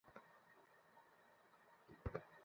কী চমৎকার প্রভু ভক্তি!